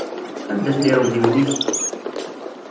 Anda-ten iɛudiwen-ik?